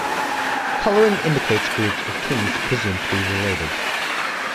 Colouring indicates groups of kings presumed to be related.